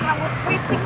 rambut kritik gitu